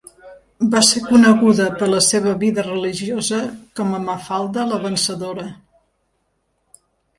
Va ser coneguda, per la seva vida religiosa, com a Mafalda la Vencedora.